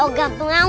oh gak pengau